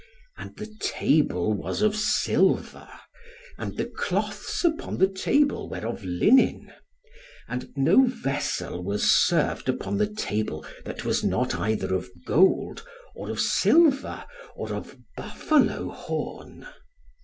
And the table was of silver; and the cloths upon the table were of linen. And no vessel was served upon the table that was not either of gold, or of silver, or of buffalo horn.